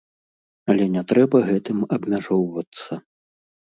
Але не трэба гэтым абмяжоўвацца!